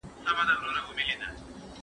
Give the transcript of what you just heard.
د چا احسان ، د چا مِنـــــــت نهٔ منــــم